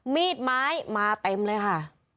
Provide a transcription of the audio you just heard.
มีดไม้มาเต็มเลยค่ะ